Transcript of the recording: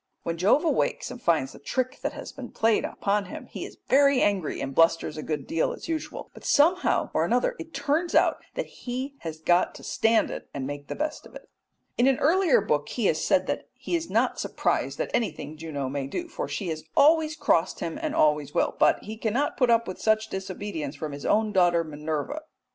When Jove awakes and finds the trick that has been played upon him, he is very angry and blusters a good deal as usual, but somehow or another it turns out that he has got to stand it and make the best of it. In an earlier book he has said that he is not surprised at anything Juno may do, for she always has crossed him and always will; but he cannot put up with such disobedience from his own daughter Minerva.